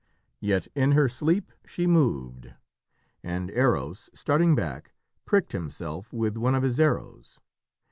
Yet in her sleep she moved, and Eros, starting back, pricked himself with one of his arrows.